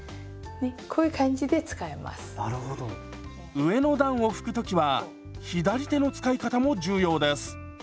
上の段を拭く時は左手の使い方も重要です。